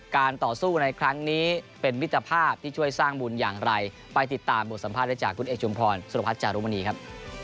ต่อสู้ในครั้งนี้เป็นมิตรภาพที่ช่วยสร้างบุญอย่างไรไปติดตามบทสัมภาษณ์ได้จากคุณเอกชุมพรสุรพัฒน์จารุมณีครับ